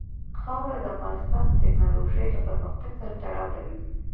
خاوره د افغانستان د تکنالوژۍ له پرمختګ سره تړاو لري.